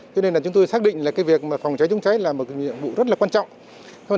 cho nên là chúng tôi xác định là cái việc phòng cháy chữa cháy là một nhiệm vụ rất là quan trọng